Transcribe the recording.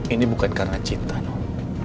ini bukan karena cinta nom